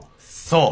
そう。